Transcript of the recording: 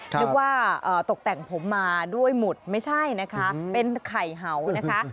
นึกว่าตกแต่งผมมาด้วยหมุดไม่ใช่นะคะเป็นไข่เห่านะคะ